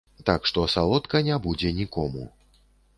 Так што салодка не будзе нікому.